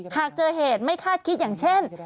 หากเจอเหตุไม่คาดคิดอย่างเช่น